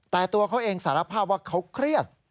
แต่ตัวเขาเองสารภาพว่าเขาเครียด